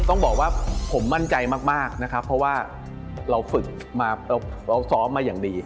ต้องบอกว่าผมมั่นใจมากนะครับเพราะว่าเราฝึกมาเราซ้อมมาอย่างดี